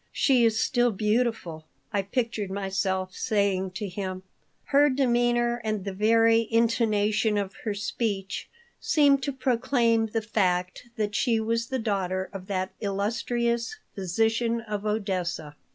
She is still beautiful," I pictured myself saying to him. Her demeanor and the very intonation of her speech seemed to proclaim the fact that she was the daughter of that illustrious physician of Odessa.